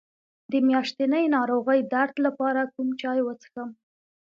د میاشتنۍ ناروغۍ درد لپاره کوم چای وڅښم؟